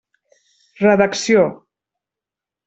Redacció.